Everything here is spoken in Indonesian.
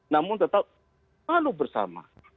namun tetap selalu bersama